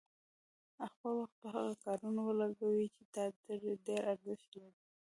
خپل وخت په هغه کارونو ولګوئ چې تا ته ډېر ارزښت لري.